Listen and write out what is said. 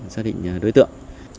xác định đối tượng